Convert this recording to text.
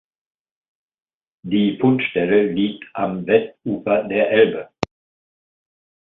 Die Fundstelle liegt am Westufer der Elbe.